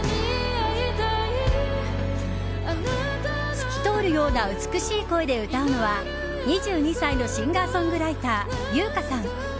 透き通るような美しい声で歌うのは２２歳のシンガーソングライター由薫さん。